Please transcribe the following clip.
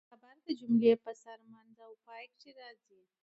خبر د جملې په سر، منځ او پای کښي راځي.